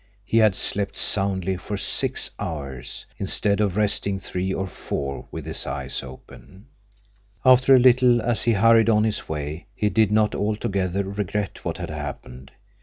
He had slept soundly for six hours, instead of resting three or four with his eyes open. After a little, as he hurried on his way, he did not altogether regret what had happened.